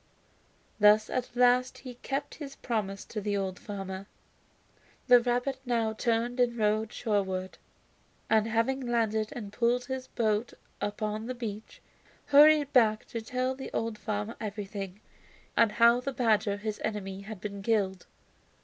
Thus at last he kept his promise to the old farmer. The rabbit now turned and rowed shorewards, and having landed and pulled his boat upon the beach, hurried back to tell the old farmer everything, and how the badger, his enemy, had been killed.